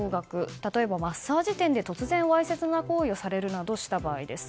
例えば、マッサージ店で突然、わいせつな行為をされるなどした場合です。